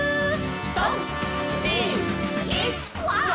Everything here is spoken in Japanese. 「３・２・１わあ」